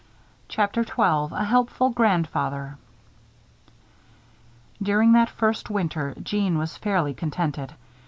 CHAPTER XII A HELPFUL GRANDFATHER During that first winter, Jeanne was fairly contented.